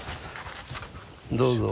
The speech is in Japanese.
どうぞ。